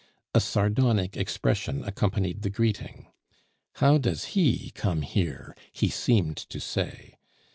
A sardonic expression accompanied the greeting, "How does he come here?" he seemed to say.